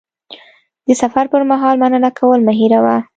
د سفر پر مهال مننه کول مه هېروه.